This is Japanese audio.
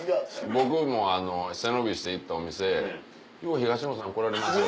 僕も背伸びして行ったお店「よう東野さん来られます」